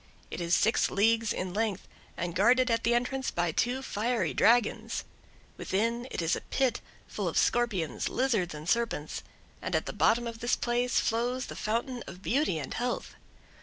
It is six leagues in length, and guarded at the entrance by two fiery dragons. Within, it is a pit, full of scorpions, lizards, and serpents, and at the bottom of this place flows the Fountain of Beauty and Health.